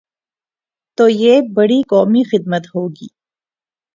تو یہ بڑی قومی خدمت ہو گی۔